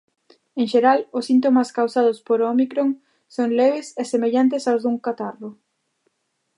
En xeral, os síntomas causados por Ómicron son leves e semellantes aos dun catarro.